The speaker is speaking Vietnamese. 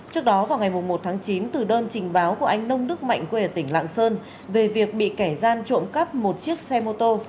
trước đó vào ngày một tháng chín từ đơn trình báo của anh nông đức mạnh quê ở tỉnh lạng sơn về việc bị kẻ gian trộm cắp một chiếc xe mô tô